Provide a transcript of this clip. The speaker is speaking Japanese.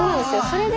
それで。